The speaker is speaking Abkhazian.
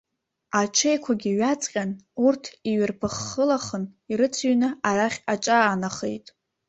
Аҽеиқәагьы ҩаҵҟьан, урҭ иҩарԥыххылахын, ирыцыҩны арахь аҿаанахеит.